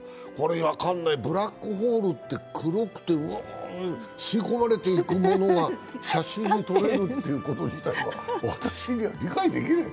分かんない、ブラックホールって黒くて吸い込まれていくものが写真に撮れるっていうこと自体が、私には理解できない。